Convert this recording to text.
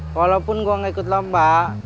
walaupun gue gak ikut lomba